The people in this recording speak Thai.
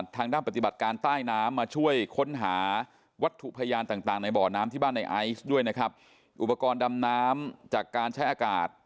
ทางด้านปฏิบัติการใต้น้ำ